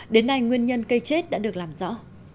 đến nay nguyên nhân cây chết đã được làm rõ